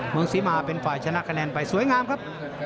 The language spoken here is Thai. เมืองศรีมาเป็นฝ่ายชนะคะแนนไปสวยงามครับ